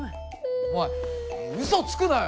お前うそつくなよ！